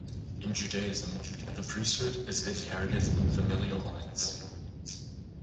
In Judaism the priesthood is inherited in familial lines.